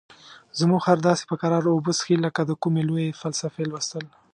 زموږ خر داسې په کراره اوبه څښي لکه د کومې لویې فلسفې لوستل.